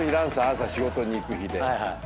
朝仕事に行く日で。